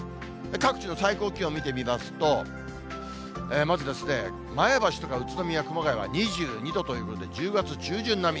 各地の最高気温見てみますと、まず前橋とか、宇都宮、熊谷は２２度ということで、１０月中旬並み。